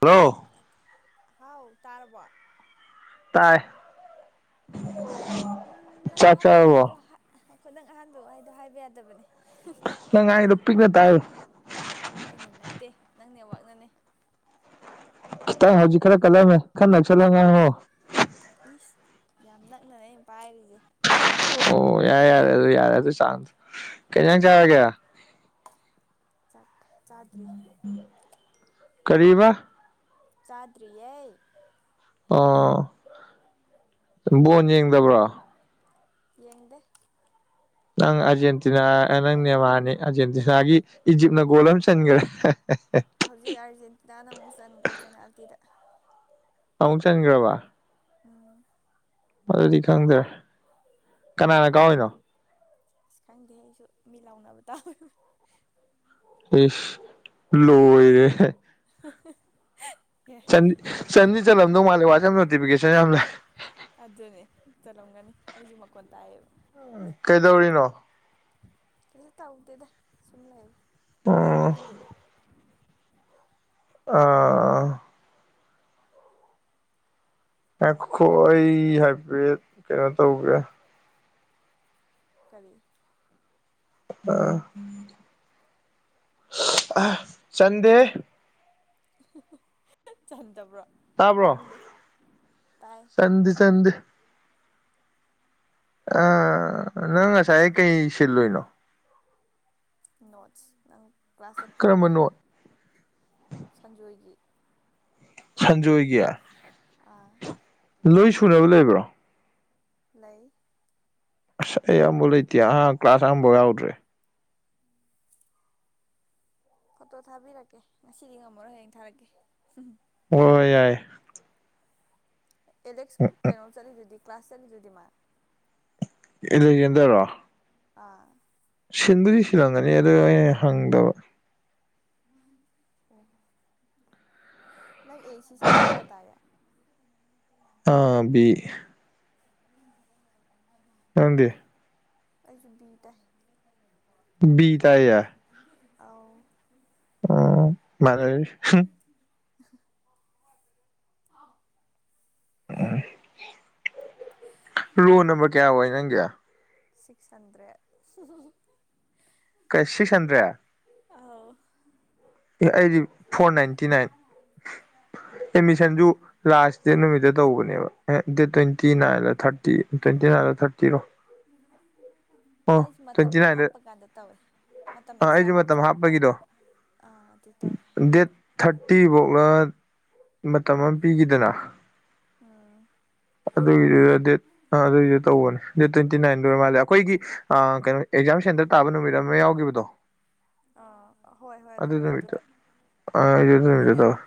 Hello ꯍꯥꯎ ꯇꯥꯔꯕꯣ ꯇꯥꯏ ꯎꯝ ꯅꯪ ꯆꯥꯛ ꯑꯍꯥꯟꯕꯩ ꯋꯥꯍꯩꯗꯣ ꯆꯥꯔꯕꯣ ꯍ ꯉꯥꯢꯈꯣ ꯅꯪ ꯑꯍꯥꯟꯕꯩ ꯋꯥꯍꯩꯗꯣ ꯍꯥꯢꯕ ꯌꯥꯗꯕꯅꯦ꯫ ꯉꯥꯡꯉꯤꯗꯣ ꯄꯤꯛꯅ ꯇꯥꯢ ꯑꯩꯅ ꯅꯠꯇꯦ ꯅꯪ ꯅꯦꯋꯥꯛꯅꯅꯦ꯫ ꯈꯤꯇꯪ ꯍꯧꯖꯤꯛ ꯈꯔ ꯀꯜꯂꯝꯃꯦ ꯈ ꯅꯛꯁꯜꯂꯒ ꯉꯥꯡꯉꯣ꯫ ꯏꯁ ꯌꯥꯝ ꯅꯛꯅꯅꯦ ꯑꯩꯅ ꯄꯥꯏꯔꯤꯖꯦ꯫ ꯑꯣ ꯌꯥꯌꯦ ꯌꯥꯔꯦ ꯑꯗꯨ ꯌꯥꯔꯦ ꯑꯗꯨ ꯆꯥꯡꯗꯣ ꯀꯩꯖꯥꯡ ꯆꯥꯔꯒꯦ꯫ ꯆꯥꯛ ꯆꯥꯗ꯭ꯔꯤ꯫ ꯀꯔꯤꯕꯥ ꯆꯥꯗ꯭ꯔꯤꯌꯦ꯫ ꯑꯣ ꯕꯣꯟ ꯌꯦꯡꯗꯕ꯭ꯔꯣ꯫ ꯌꯦꯡꯗꯦ ꯅꯪ ꯑꯥꯔꯖꯦꯟꯇꯤꯅꯥ ꯑ ꯅꯪ ꯅꯦꯃꯥꯅꯤ ꯑꯥꯔꯖꯦꯟꯇꯤꯅꯥꯒꯤ ꯏꯖꯤꯞꯅ ꯒꯣꯜ ꯑꯃ ꯆꯟꯒ꯭ꯔꯦ ꯍꯧꯖꯤꯛ ꯑꯥꯔꯖꯦꯟꯇꯤꯅꯥꯅ ꯑꯃꯨꯛ ꯆꯟꯒ꯭ꯔꯦ ꯄꯦꯅꯥꯜꯇꯤꯗ ꯑꯃꯨꯛ ꯆꯟꯒ꯭ꯔꯕ ꯎꯝ ꯑꯗꯨꯗꯤ ꯈꯪꯗ꯭ꯔꯦ ꯀꯅꯥꯅ ꯀꯥꯎꯋꯤꯅꯣ ꯑꯁ ꯈꯪꯗꯦ ꯑꯩꯁꯨ ꯃꯤ ꯂꯥꯎꯅꯕ ꯇꯥꯕꯩ ꯏꯁ ꯂꯣꯏꯔꯦꯍꯦ [unintelligible] ꯆꯟ-ꯆꯟꯗꯤ ꯆꯜꯂꯝꯗꯧ ꯃꯥꯜꯂꯦ ꯋꯥꯆꯞ ꯅꯣꯇꯤꯐꯤꯀꯦꯁꯟ ꯌꯥꯝ ꯂꯩ ꯑꯗꯨꯅꯦ ꯆꯠꯂꯝꯒꯅꯤ ꯑꯩꯖꯨ ꯃꯀꯣꯟ ꯇꯥꯏꯌꯦ ꯀꯩꯗꯧꯔꯤꯅꯣ ꯀꯩꯖꯨ ꯇꯧꯗꯦꯗ ꯁꯨꯝ ꯂꯩ ꯎꯝ ꯅꯪꯗꯤ ꯑ ꯑꯦ ꯉꯥꯢꯈꯣ ꯑꯩ ꯍꯥꯏꯄꯦꯠ ꯀꯩꯅꯣ ꯇꯧꯒꯦ ꯀꯔꯤ [inaudible] ꯆꯟꯗꯦ ꯆꯟꯗꯕ꯭ꯔꯣ ꯇꯥꯕ꯭ꯔꯣ ꯈꯪꯗꯦ ꯇꯥꯏ ꯆꯟꯗꯤ ꯆꯟꯗꯤ ꯑ ꯅꯪ ꯉꯁꯥꯏ ꯀꯩ ꯁꯤꯜꯂꯨꯅꯣ ꯅꯣꯠꯁ ꯅꯪ ꯀ꯭ꯂꯥꯁ ꯆꯠꯄ꯭ꯔꯣ ꯀꯔꯝꯕꯅꯣ ꯁꯟꯖꯣꯏꯒꯤ ꯁꯟꯖꯣꯏꯒꯤꯌꯥ ꯑꯥ ꯂꯣꯏ ꯁꯨꯅꯕ ꯂꯩꯕ꯭ꯔꯣ ꯂꯩ ꯑꯁ ꯑꯩ ꯑꯕ ꯂꯩꯇꯦ ꯑꯍ ꯀ꯭ꯂꯥꯁ ꯑꯍꯐꯥꯎ ꯌꯥꯎꯗ꯭ꯔꯦ [unintelligible] ꯐꯣꯇꯣ ꯊꯥꯕꯤꯔꯛꯀꯦ ꯉꯁꯤꯗꯤ ꯉꯝꯃꯔꯣꯏ ꯍꯌꯦꯡ ꯊꯥꯔꯛꯀꯦ ꯎꯝ ꯍ ꯍꯣꯏ ꯌꯥꯏ ꯑꯦꯂꯦꯛꯁ ꯀꯩꯅꯣ ꯆꯠꯂꯤꯗꯨꯗꯤ ꯀ꯭ꯂꯥꯁ ꯆꯠꯂꯤꯗꯨꯗꯤ ꯃꯥ ꯏ ꯂꯩ ꯌꯦꯦꯟꯗꯔꯣ ꯑꯥ ꯁꯤꯟꯗꯨꯗꯤ ꯁꯤꯜꯂꯝꯒꯅꯤ ꯑꯗꯣ ꯑꯩ ꯍꯪꯗꯕ ꯑꯣ ꯅꯪ ꯑꯦ ꯁꯤ ꯁꯦꯛꯁꯟ ꯀꯌꯥ ꯇꯥꯒꯦ ꯑꯥꯕꯤ ꯅꯗꯦ ꯑꯩꯁꯨꯕꯇꯥꯏ ꯅꯨ ꯊꯧꯗꯕꯀꯣ ꯕꯤ ꯇ ꯑꯥꯎ ꯑꯣ ꯃꯥ ꯎꯝ ꯔꯣ ꯅꯝꯕꯔ ꯀꯌꯥ ꯑꯣꯏ ꯅꯪꯒꯤ ꯁꯤꯛꯁ ꯍꯟꯗ꯭ꯔꯦꯠ ꯀ ꯁꯤꯛꯁ ꯍꯟꯗ꯭ꯔꯦ ꯑꯥꯎ ꯑꯦ ꯑꯩꯗꯤ ꯐꯣꯔ ꯅꯥꯏꯟꯇꯤ ꯅꯥꯏꯟ ꯑꯦꯗꯃꯤꯁꯟꯁꯨ ꯂꯥꯁ ꯗꯦ ꯅꯨꯃꯤꯠꯇ ꯇꯧꯕꯅꯦꯕ ꯗꯦꯠ ꯇ꯭ꯋꯦꯟꯇꯤ ꯅꯥꯏꯟꯗ ꯊꯥꯔꯇꯤ ꯇ꯭ꯋꯦꯟꯇꯤ ꯅꯥꯏꯗ ꯊꯥꯔꯇꯤ ꯤꯔꯣ [unintelligible] ꯃ [unintelligible] ꯑꯩꯁ ꯃꯇꯝ ꯇ꯭ꯋꯦꯟꯇꯤ ꯅꯥꯏꯟꯗ ꯍꯥꯞꯄ ꯀꯥꯟꯗ ꯇꯧꯋꯦ ꯃꯇꯝ ꯑꯥ ꯑꯩꯁꯨ ꯑꯦꯛꯁꯇ꯭ꯔꯥ ꯃꯇꯝ ꯍꯥꯞꯇ꯭ꯔꯣ ꯍꯥꯞꯄꯒꯤꯗꯣ ꯑꯥ ꯑꯗꯨ ꯇꯧꯋ‌ꯦ ꯗꯦꯠ ꯊꯥꯔꯇꯤꯐꯧꯂ ꯃꯇꯝ ꯑꯃ ꯄꯤꯈꯤꯗꯅ ꯑꯥ ꯑꯗꯨꯒꯤꯗꯨꯗ ꯗꯦꯠ ꯑꯗꯨꯒꯤꯗꯨ ꯇꯧꯕꯅꯦ ꯗꯦꯠ ꯇ꯭ꯋꯦꯟꯇꯤ ꯅꯥꯏꯟꯗꯨ ꯑꯣꯏꯔ ꯃꯥꯜꯂꯦ ꯑꯩꯈꯣꯏꯒꯤ ꯀꯩꯅꯣ ꯑꯦꯛꯖꯥꯝ ꯁꯦꯟꯇꯔ ꯇꯥꯕ ꯅꯨꯃꯤꯠ ꯑꯃ ꯌꯥꯎꯈꯤꯕꯗꯣ ꯑꯥ ꯍꯣꯏ ꯍꯣꯏ ꯑꯗꯨ ꯅꯨꯃꯤꯠꯇ ꯅꯨꯃꯤꯠꯇꯨꯗ ꯑ ꯑꯩꯖꯨ ꯅꯨꯃꯤꯠꯇ ꯑꯩꯈꯣꯏꯅ ꯇꯧꯋ‌ꯦ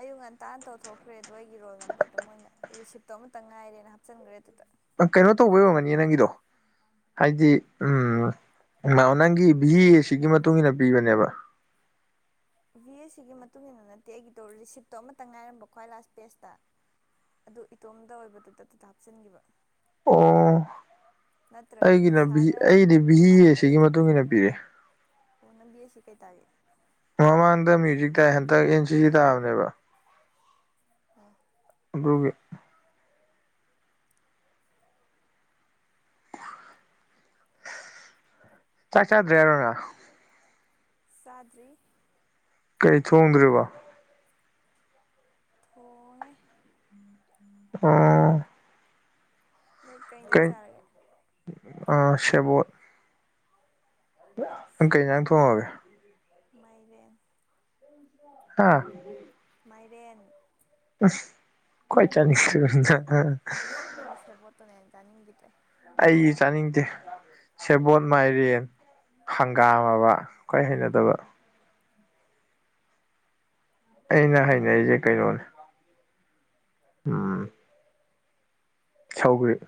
ꯑꯌꯨꯛ ꯉꯟꯇꯥꯥꯟꯅ ꯇꯧꯊꯣꯛꯈ꯭ꯔꯦ ꯑꯗꯣ ꯑꯩꯒꯤ ꯔꯣꯜ ꯅꯝꯕꯔꯗꯣ ꯃꯣꯏꯅ ꯔꯤꯁꯤꯞꯇꯣ ꯑꯃꯇ ꯉꯥꯏꯔꯦꯅ ꯍꯥꯞꯆꯤꯟꯈ꯭ꯔꯦ ꯑꯗꯨꯗ ꯑꯥ ꯀꯩꯅꯣ ꯇꯧꯕꯩ ꯑꯣꯏꯔꯝꯒꯅꯤꯌ‌ꯦ ꯅꯪꯒꯤꯗꯣ ꯍꯥꯏꯗꯤ ꯎꯝ ꯅꯪꯒꯤ ꯚꯤꯍꯤ ꯑ‌ꯦꯁ ꯁꯤꯒꯤ ꯃꯇꯨꯡ ꯏꯟꯅ ꯄꯤꯕꯅꯦꯕ ꯚꯤ ꯑꯦꯁ ꯁꯤꯒꯤ ꯃꯇꯨꯡ ꯏꯟꯅ ꯅꯠꯇꯦ ꯑꯩꯒꯤꯗꯣ ꯔꯤꯁꯤꯞꯇꯣ ꯑꯃꯇ ꯉꯥꯏꯔꯝꯕ ꯈ꯭ꯋꯥꯏ ꯂꯥꯁ ꯄꯦꯖꯇ ꯑꯗꯨ ꯏꯇꯣꯝꯗ ꯑꯣꯏꯕꯗꯨꯗ ꯑꯗꯨꯗ ꯍꯥꯞꯆꯤꯟꯈꯤꯕ ꯑꫭ ꯅꯠꯇ꯭ꯔꯗꯤ ꯑꯩꯒꯤꯅ ꯚ ꯂꯤꯁꯥꯒ ꯑꯩꯗꯤ ꯚꯤꯍꯤ ꯑ‌ꯦꯁ ꯔꯤꯃꯥꯒ ꯑꯩꯒ ꯁꯤꯒꯤ ꯊꯪꯅ ꯃꯇꯨꯡꯏꯟꯅ ꯊꯝ ꯄꯤꯔꯛꯑ‌ꯦ ꯑꯣ ꯅꯪ ꯚꯤ ꯑ‌ꯦꯁ ꯁꯤ ꯀꯩ ꯇꯥꯒ‌ꯦ ꯃꯃꯥꯡꯗ ꯃ꯭ꯌꯨꯖꯤꯛ [unintelligible] ꯇꯥꯏ ꯍꯟꯗꯛ ꯑꯦꯟ ꯁꯤ ꯁꯤ ꯇꯥꯕꯅꯦꯕ ꯑꯣ ꯑꯗꯨꯒꯤ ꯆꯥꯛ ꯆꯥꯗ꯭ꯔꯤ ꯍꯥꯏꯔꯣ ꯅꯪ ꯆꯥꯗꯔꯤ ꯀꯩ ꯊꯣꯡꯗ꯭ꯔꯤꯕꯣ ꯊꯣꯡꯉ‌ꯦ ꯑꯣ ꯅꯣꯏ ꯏꯟꯖꯥꯡ ꯀꯩ ꯆꯥꯔꯒꯦ ꯑ ꯥꯁꯦꯕꫭꯠ ꯅꯪ ꯀꯩ ꯁꯦꯕꯣꯠ ꯏꯟꯖꯥꯡ ꯊꯣꯡꯉꯒꯦ ꯃꯥꯏꯔꯦꯟ ꯍꯥ ꯃꯥꯏꯔꯦꯟ ꯑꯁ ꯈꯨꯋꯥꯏ ꯆꯅꯤꯡꯗꯕ ꯏꯟꯖꯥꯡ [unintelligible] ꯅꯪꯒꯤ ꯁꯦꯕꯣꯠꯇꯨꯅ ꯆꯥꯅꯤꯡꯒꯤꯗ꯭ꯔꯦ ꯑꯩꯖꯨ ꯆꯥꯅꯤꯡꯗꯦ ꯁꯦꯕꯣꯠ ꯃꯥꯏꯔꯦꯟ ꯍꯪꯒꯥꯝꯃꯕ ꯈ꯭ꯋꯥꯏ ꯍꯩꯅꯗꯕ ꯑꯩꯅ ꯍꯥꯏꯅꯔꯤꯁꯦ ꯀꯩꯅꯣꯅꯦ ꯎꯝ ꯁꯥꯎꯒ꯭ꯔꯦ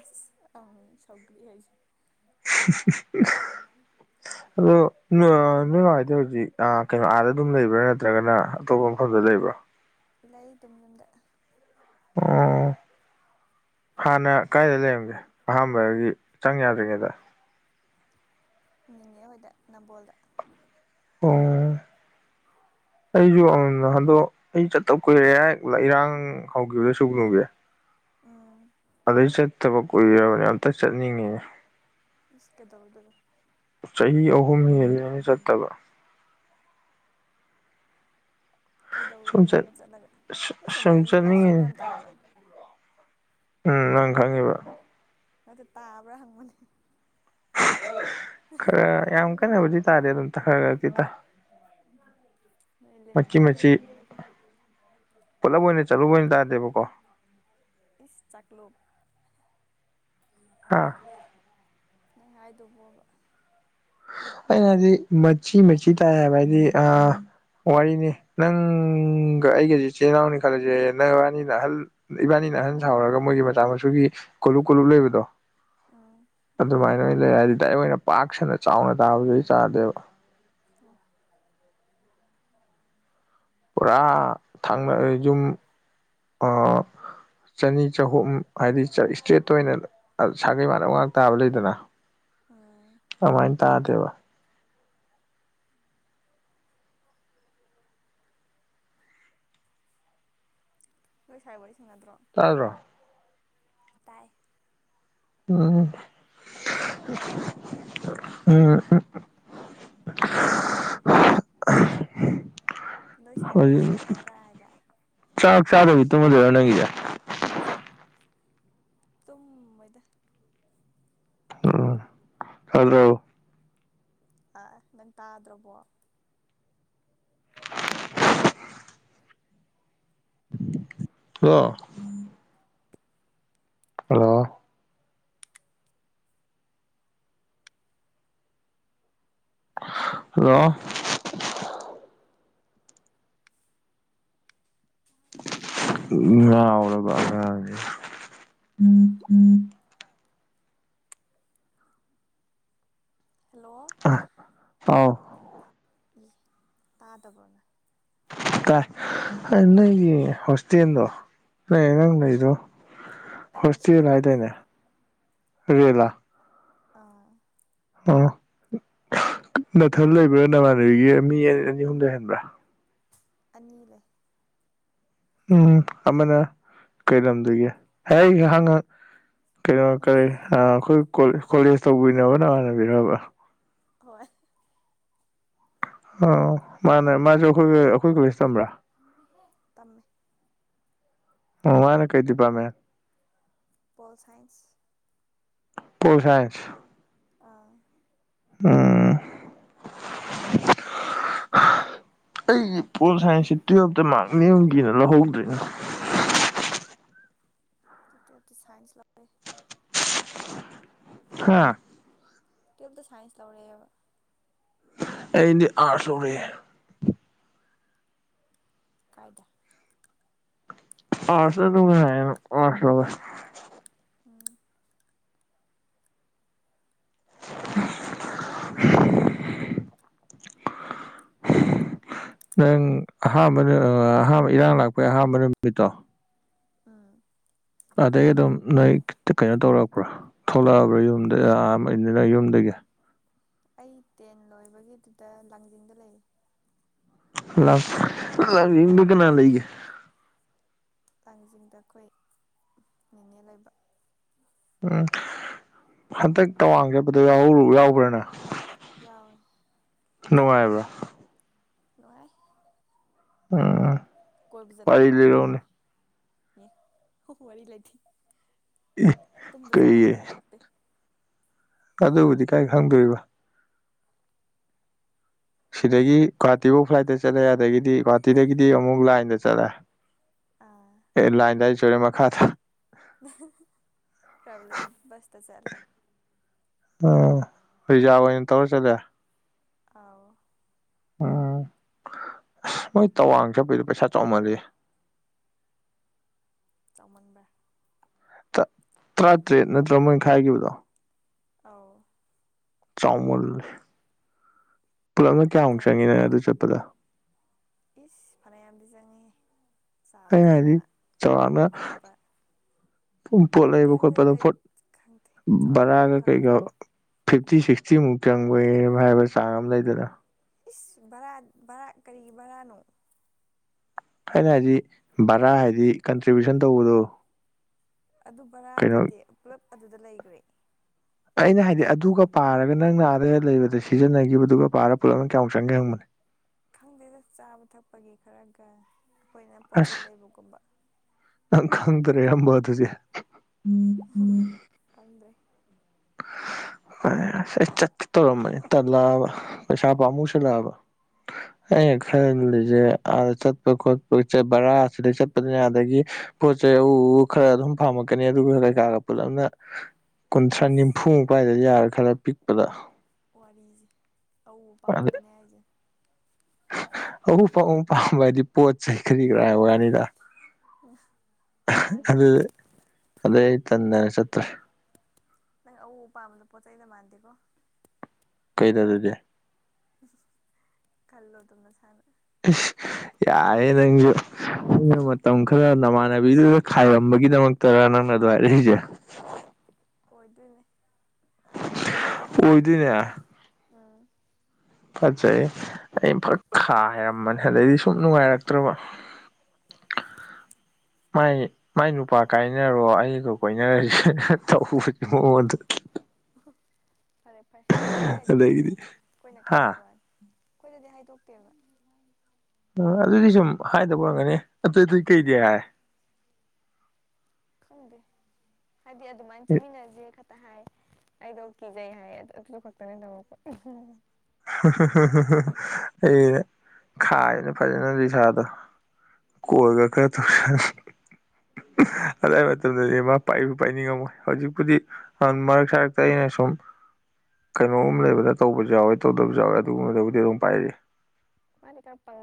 ꯑꯁ ꯑꯪ ꯁꯥꯎꯒ꯭ꯔꯤ ꯍꯥꯏꯁꯤꯅꯤ [unintelligible] [inaudible] ꯑꯗꯣ ꯅꯣꯏꯃ ꯍꯥꯏꯏꯗꯤ ꯍꯧꯖꯤꯛ ꯀꯩꯅꯣ ꯑꯥꯗ ꯑꯗꯨꯝ ꯂꯩꯕ꯭ꯔꯥ ꯅꯠꯇ꯭ꯔꯒꯅ ꯑꯇꯣꯞꯄ ꯃꯐꯝꯗ ꯂꯩꯕ꯭ꯔꯥ ꯂꯩ ꯑꯗꯨꯝ ꯌꯨꯝꯗ ꯑꯣ [inaudible] ꯍꯥꯟꯅ ꯀꯥꯏꯗ ꯂꯩꯔꯝꯒꯦ ꯑꯍꯥꯟꯕꯗꯗꯤ ꯆꯪ ꯌꯥꯗ꯭ꯔꯤꯉꯩꯗ ꯃꯤꯅꯦ ꯍꯣꯏꯗ ꯅꯝꯕꯣꯜꯗ ꯑꯣ ꯑꯩꯁꯨ [unintelligible] ꯍꯟꯗꯣ ꯑꯩ ꯆꯠꯇ ꯀꯨꯏꯔꯦ ꯏꯔꯥꯡ ꯍꯧꯈꯤꯕꯗ ꯁꯨꯒꯅꯨꯒꯤ ꯎꯝ ꯑꯗꯩ ꯆꯠꯇꯥꯕ ꯀꯨꯏꯔꯕꯅꯦ ꯑꯝꯇꯪ ꯆꯠꯅꯤꯡꯉꯤꯅ‌ꯦ ꯏꯁ ꯀꯩꯗꯧꯔꯨꯗꫭꯏꯕ ꯆꯍꯤ ꯑꯍꯨꯝ ꯍꯦꯜꯂꯦꯅ ꯆꯠꯇꯕ ꯁꯨꯝ ꯆꯠ ꯀꯩꯗꯧꯔꯨꯗꯣꯏꯅꯣꯕ ꯆꯠꯂꯒ ꯅꯣꯏ ꯁꯨꯝ ꯁꯦꯛꯃꯥꯏꯖꯤꯡꯒꯤ ꯂꯥꯏꯁ꯭ꯔꯝ ꯆꯠꯅꯤꯡꯉꯤꯅꯦ ꯌꯥꯝ ꯇꯥꯕ꯭ꯔꯥ ꯎꯝ ꯅꯪ ꯈꯪꯉꯤꯏꯕ ꯅꯠꯇꯦ ꯇꯥꯕ꯭ꯔꯥ ꯍꯪꯕꯅꯦ ꯈꯔ ꯌꯥꯝ ꯀꯥꯟꯅꯕꯨꯗꯤ ꯇꯥꯗꯦ ꯑꯗꯨꯝ ꯈꯔ ꯈꯔꯗꯤ ꯇꯥꯏ ꯅꯣꯏ ꯂꯤꯟ ꯃꯆꯤ ꯃꯌꯥꯝ ꯃꯆꯤ ꯂꯩꯕꯅꯤꯅꯀꯣ ꯄꯨꯂꯞ ꯑꯣꯏꯅ ꯆꯠꯂꯨꯕ ꯑꯣꯏꯅ ꯇꯥꯗꯦꯕꯀꯣ ꯏꯁ ꯆꯥꯛꯂꯨꯞ ꯑꯥ ꯅꯪ ꯍꯥꯏꯗꯨꯕꯨꯕ ꯑꯩꯩꯅ ꯍꯥꯏꯗꯤ ꯃꯆꯤ ꯃꯆꯤ ꯇꯥꯏ ꯍꯥꯏꯕ ꯍꯥꯏꯗꯤ ꯑꯥ ꯋꯥꯔꯤꯅꯤ ꯅꯪꯒ ꯑꯩꯒꯁꯤ ꯏꯆꯤꯜ ꯏꯅꯥꯎꯅꯤ ꯈꯜꯂꯁꯦ ꯅꯪꯕꯥꯅꯤ ꯅ ꯑꯍꯜ ꯏꯕꯥꯅꯤꯅ ꯑꯍꯟ ꯁꯥꯎꯔꯒ ꯃꯣꯏꯒꯤ ꯃꯆꯥ ꯃꯁꯨꯒꯤ ꯀꯣꯂꯨꯞ ꯀꯣꯂꯨꯞ ꯂꯩꯕꯗꯣ ꯎꯝ ꯑꯗꯨꯃꯥꯏꯅ ꯑꯣꯏꯅ ꯂꯩꯔꯦ ꯍꯥꯏꯗꯤ ꯗꯥꯏꯔꯦꯛ ꯑꯣꯏꯅ ꯄꯥꯛ ꯁꯟꯅ ꯆꯥꯎꯅ ꯇꯥꯕꯗꯨꯗꯒꯤ ꯆꯥꯗꯦꯕ ꯑꯣ ꯄꯨꯔꯥ ꯊꯪꯅ ꯌꯨꯝ [inaudible] ꯆꯅꯤ ꯆꯍꯨꯝ ꯍꯥꯏꯗꯤ ꯏꯁꯇꯦꯠꯇ ꯑꯣꯏꯅ ꯁꯥꯒꯩ ꯃꯥꯅ ꯉꯥꯛ ꯇꯥꯕ ꯂꯩꯗꯅ ꯎꯝ ꯑꯗꯨꯃꯥꯏꯅ ꯇꯥꯗꯦꯕ ꯅꯣꯏ ꯁꯥꯥꯏꯒ ꯋꯔꯤ ꯁꯅꯥꯗ꯭ꯔꯣ ꯇꯥꯗ꯭ꯔꫭ ꯇꯥꯏ ꯎꯝ ꯎꯝ ꯎꯝ [inaudible] ꯅꯣꯏ ꯁꯥꯏ ꯋꯥꯔꯤ ꯍꯧꯖꯤꯛ ꯁꯥꯟꯅꯗꯕ꯭ꯔꯥ ꯍꯥꯏꯕ ꯆꯥꯛ ꯆꯥꯗꯕꯤ ꯇꯨꯝꯃꯗꯣꯏꯔꯣ ꯅꯪꯒꯤꯁꯦ ꯑꯆꯥ ꯇꯨꯝꯃꫭꯏꯗꯥ ꯎꯝ ꯍꯜꯂꫭ ꯑꯥꯑ ꯅꯪ ꯇꯥꯗ꯭ꯔꯕꯣ ꯍꯜꯂꫭ ꯍꯜꯂꯣ ꯍꯜꯂꯣ ꯉꯥꯎꯔꯕ ꯑꯉꯥꯡꯅꯦꯗ ꯍꯜꯂꯣ ꯑ ꯍꯥꯎ ꯏꯤ ꯇꯥꯗ꯭ꯕꫭ ꯅꫭꯏ ꯇꯥꯏ ꯅꯪꯒꯤ ꯍꯣꯁꯇꯦꯜꯗꯣ ꯅꯣꯏ ꯑꯉꯥꯡ ꯂꯩꯗꯣ ꯑꯩ ꯍꯣꯁꯇꯦꯜ ꯍꯣꯁꯇꯦꯜꯂꯩꯗꯤ ꯍꯥꯏꯗꯥꯏꯅꯦ ꯔꯦꯜꯂꯥ ꯑꯥ ꯑꯣ ꯅꯥꯊꯟ ꯂꯩꯕ꯭ꯔꯥ ꯅꯃꯥꯟꯅꯕꯤꯒꯤ ꯃꯤ ꯑꯅꯤ ꯑꯍꯨꯝ ꯂꯩꯍꯟꯕ꯭ꯔꯥ ꯑꯅꯤ ꯂꯩ ꯎꯝ ꯑꯃꯅ ꯀꯩꯂꯥꯝꯗꯒꯤ ꯍꯦ ꯍꯪ ꯍꯪ ꯀꯩꯅꯣ ꯀꯔꯤ ꯑꯥ ꯑꯩꯈꯣꯏ ꯀꯣꯂꯦꯖ ꯇꯧꯃꯤꯟꯅꯕ ꯅꯃꯥꯟꯅꯕꯤꯔꯕ ꯍꯣꯏ ꯑꯣ ꯃꯥꯅꯦ ꯃꯥꯁꯨ ꯑꯩꯈꯣꯏ ꯑꯩꯈꯣꯏ ꯀꯣꯂꯦꯖ ꯇꯝꯕ꯭ꯔꯥ ꯇꯝꯃꯦ ꯑꫭ ꯃꯥꯅ ꯀꯩ department pol science pol science ꯑꯥ ꯎꯝ ꯑꯩꯒꯤ ꯄꯣꯜ ꯀꯩꯅꯣ ꯁꯥꯏꯟꯁꯁꯤ ꯇꯨꯋꯦꯜꯞꯇ ꯃꯥꯜꯂꯤ ꯂꯧꯍꯧꯗ꯭ꯔꯤꯅ ꯁ ꯍꯥ ꯇꯨꯌꯦꯜꯞꯇ ꯁꯥꯏꯟꯁ ꯂꯧꯔꯛꯑꯦꯕ ꯑꯩꯗꯤ ꯑꯥꯔꯠꯁ ꯂꯧꯔꯛꯑꯦ ꯀꯥꯏꯗ ꯑꯥꯔꯠꯁꯅ ꯅꯨꯡꯉꯥꯏꯌꯦꯕ ꯑꯥꯔꯠꯁ ꯂꯧꯔꯛꯑꯦ ꯎꯝ ꯅꯪ ꯑꯍꯥꯟꯕ ꯑꯍꯥꯟꯕ ꯏꯔꯥꯡ ꯂꯥꯛꯄꯩꯒꯤ ꯑꯍꯥꯥꯟꯕ ꯅꯨꯃꯤꯠꯇꯣ ꯑꯥ ꯑꯗꯩ ꯑꯗꯨꯝ ꯅꯣꯏ ꯀꯩꯅꯣ ꯇꯧꯔꯛꯄ꯭ꯔꯣ ꯊꯣꯛꯂꯛꯑꯕ꯭ꯔꯥ ꯌꯨꯝꯗꯅꯤꯅ ꯌꯨꯝꯗꯒꯤ ꯑꯩ ꯇꯦꯟ ꯂꯣꯏꯕꯒꯤꯗꯨꯗ ꯂꯥꯡꯖꯤꯡꯗ ꯂꯩ ꯂꯥꯡꯖꯤꯡꯗ ꯀꯅꯥ ꯂꯩꯒꯦ ꯂꯥꯡꯖꯤꯡꯗ ꯑꯩꯈꯣꯏ ꯅꯤꯅꯦ ꯂꯩꯕ ꯎꯝ ꯍꯟꯗꯛ ꯇꯋꯥꯡ ꯆꯠꯄꯗꯣ ꯌꯥꯎꯕ꯭ꯔ ꯅꯪ ꯌꯥꯎꯋꯦ ꯅꯨꯡꯉꯥꯏꯕ꯭ꯔꯥ ꯅꯨꯡꯉꯥꯏ ꯎꯝ ꯀꯣꯏꯕ ꯆꯠꯂ ꯋꯥꯔꯤ ꯂꯤꯔꯛꯎꯅꯦ ꯅꯨꯡꯉꯥꯏꯕ꯭ꯔꯥꯏ ꯅ‌ꯦ ꯍꯨ-ꯍꯨ ꯋꯥꯔꯤ ꯂꯩꯇꯦ ꯏ ꯇꯨꯝꯕ ꯆꯥꯕ ꯀꯩꯌꯦ ꯈꯪꯉꯛꯇꯦ ꯑꯗꯨꯕꯨꯗꯤ ꯀꯥꯏ ꯈꯪꯗꯣꯏꯕ ꯁꯤꯗꯒꯤ ꯒꯨꯍꯥꯇꯤꯐꯧ ꯐ꯭ꯂꯥꯏꯠꯇ ꯆꯠꯂꯦ ꯑꯗꯒꯤꯗꯤ ꯒꯨꯍꯥꯇꯤꯗꯒꯤꯗꯤ ꯑꯃꯨꯛ ꯂꯥꯏꯟꯗ ꯆꯠꯂꯦ ꯑꯥ ꯑꯦ ꯂꯥꯏꯟꯗ ꯍꯥꯏꯁꯦ ꯁꯣꯢꯔꯦ ꯃꯈꯥꯗ ꯇ꯭ꯔꯦꯚꯦꯂꯤꯡ ꯕꯁꯇ ꯆꯠꯂꯦ ꯑꯣ ꯔꯤꯖꯥꯕ ꯑꯣꯏꯅ ꯇꯧꯔ ꯆꯠꯂꯦ ꯑꯥꯎ ꯎꯝ ꯑꯁ ꯃꯣꯏ ꯇꯋꯥꯡ ꯆꯠꯄꯩꯗꯣ ꯄꯩꯁꯥ ꯆꯥꯎꯃꯜꯂꯤ ꯆꯥꯎꯃꯟꯕ꯭ꯔꯥ ꯇꯥ ꯇ꯭ꯔꯥꯇ꯭ꯔꯦꯠ ꯅꯠꯇ꯭ꯔ‌ꯣ ꯃꯣꯏ ꯈꯥꯏꯒꯤꯕꯗꯣ ꯑꯥꯎ ꯆꯥꯎꯃꯜꯂꯦ ꯄꯨꯜꯂꯞꯅ ꯀꯌꯥꯃꯨꯛ ꯆꯥꯎꯃꯜ ꯆꯪꯉꯤ ꯅꯪ ꯑꯗꯨ ꯆꯠꯄꯗ ꯏꯁ ꯐꯅꯌꯥꯝꯗꯤ ꯆꯪꯉꯦ ꯆꯥꯕ ꯑꯩꯅ ꯍꯥꯏꯗꯤ ꯊꯛꯄ ꯆꯥꯎꯔꯥꯛꯅ ꯂꯩꯕ ꯈꯣꯠꯄ ꯄꯣꯠ ꯂꯩꯕ ꯈꯪꯗꯦ-ꯈꯪꯗꯦ ꯈꯣꯠꯄꯗ ꯑꯩꯈꯣꯏ ꯄꯣꯠ ꯈꯪꯗꯦ ꯆꯥꯎꯔꯥꯛꯅꯒ ꯕꯔꯥꯒ ꯀꯩꯀꯥ ꯈꯪꯗ꯭ꯔꯦ ꯐꯤꯐꯇꯤ ꯁꯤꯛꯁꯇꯤꯃꯨꯛ ꯆꯪꯕ‌ ꯍꯥꯏꯕ ꯆꯥꯡ ꯑꯃ ꯂꯩꯗꯅ ꯏꯁ ꯕꯔꯥ ꯕꯔꯥ ꯀꯔꯤꯒꯤ ꯕꯔꯥꯅꯣ ꯑꯩꯅ ꯍꯥꯏꯗꯤ ꯚꯔꯥ ꯍꯥꯏꯗꯤ ꯀꯟꯇ꯭ꯔꯤꯕ꯭ꯤꯌꯨꯁꯟ ꯇꯧꯕꯗꯣ ꯑꯗꯨ ꯀꯩꯅꯣ ꯕꯔꯥꯗꯨꯗꯤ ꯄꯨꯂꯞ ꯑꯗꯨꯗ ꯂꯩꯒ꯭ꯔꯦ ꯑꯩꯅ ꯍꯥꯏꯗꯤ ꯑꯗꯨꯒ ꯄꯥꯔꯒ ꯅꯪꯅ ꯑꯥꯗꯒ ꯂꯩꯕꯗ ꯁꯤꯖꯤꯟꯅꯒꯤꯕꯗꯨꯒ ꯄꯥꯔꯒ ꯄꯨꯂꯞꯅ ꯀꯌꯥꯃꯨꯛ ꯆꯪꯒꯦ ꯍꯪꯕꯅ‌ꯦ ꯈꯪꯗꯦꯗ ꯆꯥꯕ ꯊꯛꯄꯒꯤ ꯈꯔꯒ ꯑꯩꯈꯣꯏꯅ ꯄꯣꯠ ꯆꯩꯩ ꯂꯩꯕꯒꯨꯝꯕ ꯅ‌ꯪ ꯈꯪꯗꯔꯦ ꯑꯗꯨ ꯑꯝꯕꯧ ꯑꯗꯨꯗꯤ ꯎꯝ-ꯎꯝ ꯈꯪꯗ꯭ꯔ‌ꯦ ꯑꯩ ꯆꯠꯀꯦ ꯇꯧꯔꯝꯕꯅ‌ꯦ ꯇꯜꯂꯛꯑꯕ ꯄꯩꯁꯥ ꯄꯥꯝꯃꯨ ꯁꯜꯂꯛꯑꯕ [unintelligible] ꯑꯩꯅ ꯈꯜꯂꯤꯖ‌ꯦ ꯑꯥꯗ ꯆꯠꯄ-ꯈꯣꯠꯄ ꯕꯔꯥ ꯁꯤꯗꯩ ꯆꯠꯄꯅꯤꯅ ꯑꯗꯒꯤ ꯄꯣꯠꯆꯩꯩ ꯑꯎ-ꯑꯎꯕ ꯈꯔ ꯑꯗꯨꯝ ꯄꯥꯝꯃꯛꯀꯅꯤ ꯑꯗꯨꯒ ꯀꯩꯀꯥꯒ ꯄꯨꯜꯂꯞꯅ ꯊꯔꯥ ꯑꯁ ꯅꯤꯝꯐꯨꯃꯨꯛ ꯄꯥꯏꯗꯗꯤ ꯌꯥꯔꯦꯏ ꯈꯔ ꯄꯤꯛꯄꯗ ꯋꯥꯔꯤꯖꯤ ꯑꯎ-ꯑꯎ ꯄꯥꯝꯃꯛꯀꯅꯤ ꯍꯥꯏꯖ‌ꯦ ꯑꯎ-ꯑꯎ ꯄꯥꯝꯕ ꯍꯥꯏꯗꯤ ꯄꯣꯠ-ꯆꯩ ꯀꯔꯤ ꯀꯔꯥꯒꯤ ꯋꯥꯅꯤꯗ ꯃꯥꯟꯗꯦ ꯑꯗꯨꯗꯩ ꯑꯗꯩ ꯑꯩ ꯇꯟꯗꯅ ꯆꯠꯇ꯭ꯔ‌ꯦ ꯅꯪ ꯑꯎ-ꯑꯎ ꯄꯥꯝꯕꯗ‌ꯣ ꯄꯣꯠ-ꯆꯩꯩꯗ ꯃꯥꯟꯗ‌ꯦꯀꯣ ꯀꯩꯗ ꯑꯗꯨꯗꯤ ꯈꯜꯂꯣ ꯑꯗꯨꯝ ꯅꯁꯥꯅ ꯏꯁ ꯌꯥꯔ‌ꯦ ꯅꯪꯖ‌ꯨ ꯑꯩꯅ ꯃꯇꯝ ꯈꯔ ꯅꯃꯥꯟꯅꯕꯤꯗꯨꯗ ꯈꯥꯏꯔꯝꯕꯒꯤꯗꯃꯛ ꯇꯔ ꯅꯪꯅ ꯑꯗꯨ ꯍꯥꯏꯔꯛꯏꯖ‌ꯦ ꯑꯣꯏꯗꯣꯏꯅꯦ ꯑꯣꯏꯗꯣꯏꯅꯦ ꯑꯥ ꯐꯠꯖꯩꯌ‌ꯦ ꯑꯩꯅꯐꯠ ꯈꯥꯏꯍꯥꯏꯔꯝꯕꯅꯤ ꯑꯗꯩꯗꯤ ꯁꯨꯝ ꯅꯨꯡꯉꯥꯏꯔꯛꯇ꯭ꯔꯕ ꯃꯥꯏꯒꯤ-ꯃꯥꯏ ꯅꯨꯄꯥ ꯀꯥꯏꯅꯔꯣ ꯑꯩꯒ ꯀꯣꯏꯅꯔꯖ‌ꯦꯅ ꯇꯧꯕꯅꯤ ꯃꯑꯣꯟꯗꯒꯤ ꯐꯔꯦ-ꯐꯔꯦ ꯑꯩꯈꯣꯏꯗꯗꯤ ꯍꯥꯏꯗꯣꯛꯇꯦꯗ ꯑꯗꯒꯤꯗꯤ ꯑꯩꯈꯣꯏꯅ ꯍꯥ ꯈꯪꯕꯩ ꯋꯥꯅꯤ ꯑꯩꯈꯣꯏꯗꯗꯤ ꯍꯥꯏꯗꯣꯛꯇꯦꯕ ꯑꯥ ꯑꯗꯨꯗꯤ ꯁꯨꯝ ꯍꯥꯏꯗꯕ ꯑꯣꯔꯝꯒꯅꯤ ꯑꯇꯩꯇꯩ ꯀꯩꯗꯤ ꯍꯥꯏ ꯈꯪꯗꯦ ꯍꯥꯏꯗꯤ ꯑꯗꯨꯃꯥꯏꯅ ꯆꯠꯃꯤꯟꯅꯖ‌ꯦ ꯇꯍꯥꯏ ꯑꯩꯗ‌ꯣ ꯀꯤꯖꯩ ꯍꯥꯏꯌ‌ꯦ ꯑꯗꯨ ꯈꯛꯇꯅꯦ [inaudible] ꯑꯩꯅꯦ ꯈꯥꯏꯕꯅ‌ꯦ ꯐꯖꯅ ꯅꯤꯁꯥꯗꯣ ꯀꯣꯏꯒ ꯀ ꯑꯗꯨꯗꯥꯏ ꯃꯇꯝꯗꯗꯤ ꯃꯥ ꯄꯥꯏꯕꯨ ꯄꯥꯏꯅꯤꯡꯉꯝꯃꯣꯏ ꯍꯧꯖꯤꯛꯄꯨꯗꯤ ꯑꯗꯨ ꯃꯔꯛ ꯁꯛꯇ ꯑꯩꯅ ꯁꯨꯝ ꯀꯩꯅꯣꯒꯨꯝ ꯂꯩꯕꯗ ꯇꯧꯕꯁꯨ ꯌꯥꯎꯋꯦ ꯇꯧꯗꯕꯁꯨꯎꯋꯦ ꯑꯗꯨꯒꯨꯝꯕꯗꯕꯨꯗꯤ ꯑꯗꯨꯝ ꯄꯥꯏꯔꯤ ꯃꯥꯅꯤ ꯀꯄ